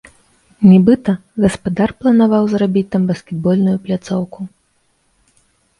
Нібыта, гаспадар планаваў зрабіць там баскетбольную пляцоўку.